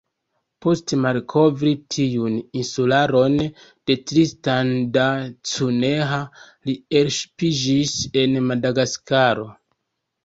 Post malkovri tiun insularon de Tristan da Cunha, li elŝipiĝis en Madagaskaro.